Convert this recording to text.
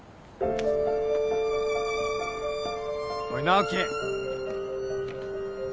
おい直樹！